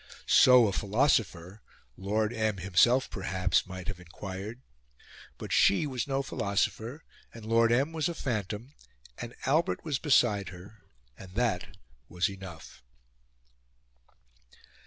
So a philosopher Lord M. himself perhaps might have inquired. But she was no philosopher, and Lord M. was a phantom, and Albert was beside her, and that was enough.